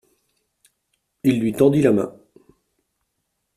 Il lui tendit la main.